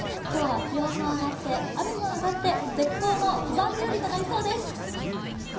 今日は気温も上がって、雨も上がって絶好の登山日和となりそうです。